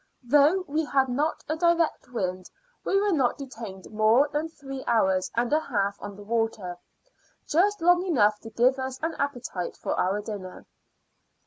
Though we had not a direct wind, we were not detained more than three hours and a half on the water, just long enough to give us an appetite for our dinner.